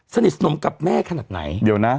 สนิทสนมกับแม่ขนาดไหน